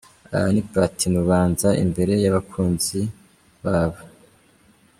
Aha ni Platini ubanza imbere y'abakunzi babo.